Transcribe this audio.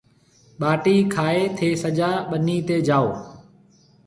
ٻاٽِي کائي ٿَي سجا ٻنِي تي جاو